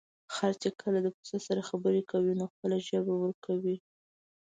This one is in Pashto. خر چې کله د پسه سره خبرې کوي، نو خپله ژبه ورکه کړي.